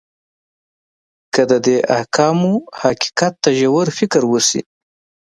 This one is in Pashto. که د دې احکامو حقیقت ته ژور فکر وشي.